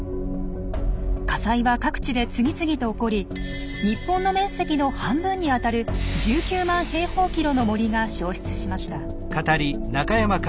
火災は各地で次々と起こり日本の面積の半分にあたる１９万の森が焼失しました。